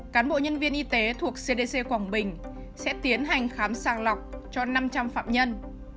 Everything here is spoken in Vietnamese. cán bộ nhân viên y tế thuộc cdc quảng bình sẽ tiến hành khám sàng lọc cho năm trăm linh phạm nhân